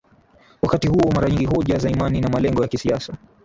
Wakati huo mara nyingi hoja za imani na malengo ya kisiasa